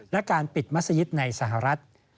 และการปิดมัศยิตในสหรัฐ